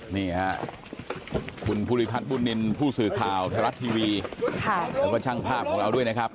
นี่ค่ะคุณภูริพัฒน์บุญนินทร์ผู้สื่อข่าวไทยรัฐทีวีแล้วก็ช่างภาพของเราด้วยนะครับ